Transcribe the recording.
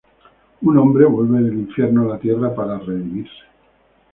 Un hombre vuelve del infierno a la tierra para redimirse.